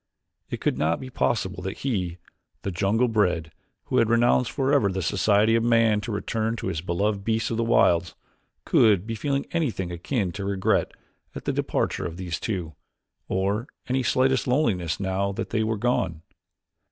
It could not be possible that he, the jungle bred, who had renounced forever the society of man to return to his beloved beasts of the wilds, could be feeling anything akin to regret at the departure of these two, or any slightest loneliness now that they were gone.